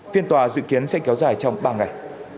phiên tòa dự kiến sẽ kéo dài trong ba ngày